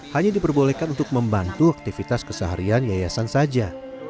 hanya diperbolehkan untuk membantu aktivitas keseharian yayasan saja